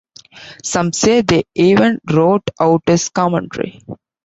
Some say they even wrote out his commentary.